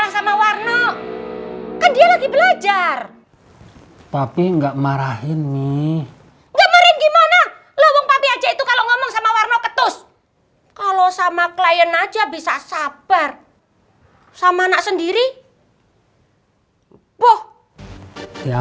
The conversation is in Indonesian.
sampai jumpa di video selanjutnya